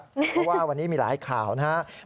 เพราะว่าวันนี้มีหลายข่าวนะครับ